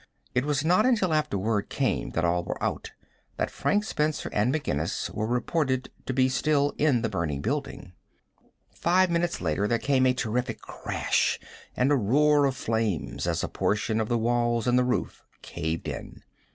It was not until after word came that all were out that Frank Spencer and McGinnis were reported to be still in the burning building. Five minutes later there came a terrific crash, and a roar of flames as a portion of the walls and the roof caved in.